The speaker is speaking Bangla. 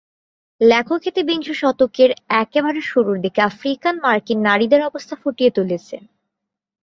লেখক এতে বিংশ শতকের একেবারে শুরুর দিকে আফ্রিকান-মার্কিন নারীদের অবস্থা ফুটিয়ে তুলেছেন।